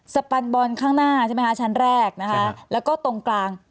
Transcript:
สปันบอนข้างหน้าชั้นแรกแล้วก็ตรงกลาง